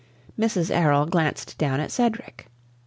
Mrs. Errol glanced down at Cedric.